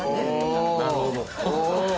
なるほど。